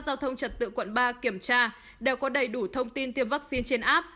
giao thông trật tự quận ba kiểm tra đều có đầy đủ thông tin tiêm vaccine trên app